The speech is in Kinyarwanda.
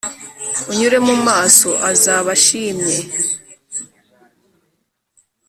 unyure mu maso azaba ashimye